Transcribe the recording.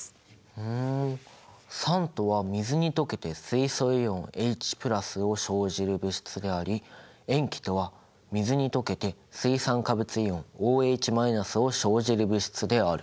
ふん酸とは水に溶けて水素イオンＨを生じる物質であり塩基とは水に溶けて水酸化物イオンＯＨを生じる物質である。